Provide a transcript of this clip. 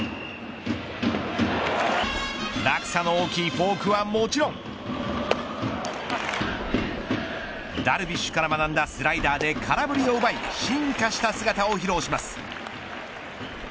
落差の大きいフォークはもちろんダルビッシュから学んだスライダーで空振りを奪い進化した姿を披露します。